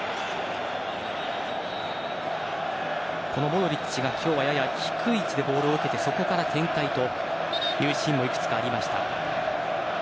モドリッチが今日はやや低い位置でボールを受けてそこから展開というシーンもいくつかありました。